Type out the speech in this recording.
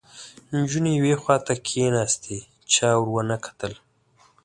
نجونې یوې خواته کېناستې، چا ور ونه کتل